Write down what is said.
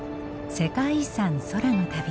「世界遺産空の旅」。